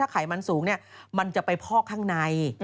ถ้าไขมันสูงเนี่ยมันจะไปพอกข้างใน